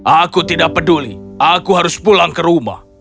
aku tidak peduli aku harus pulang ke rumah